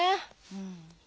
うん。